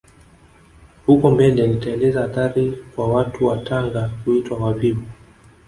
Huko mbele nitaeleza athari kwa watu wa Tanga kuitwa wavivu